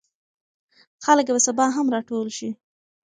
خلک به سبا هم راټول شي.